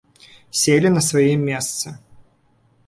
Селі на свае месцы.